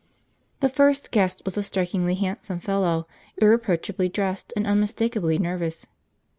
The first guest was a strikingly handsome fellow, irreproachably dressed and unmistakably nervous.